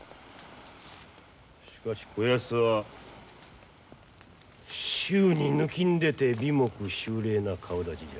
しかしこやつは衆にぬきんでて眉目秀麗な顔だちじゃ。